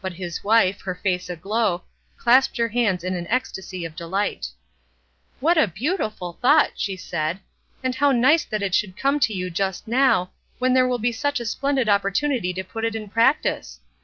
But his wife, her face aglow, clasped her hands in an ecstasy of delight. "What a beautiful thought!" she said; "and how nice that it should come to you just now, when there will be such a splendid opportunity to put it in practice.